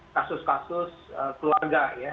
kasus kasus keluarga ya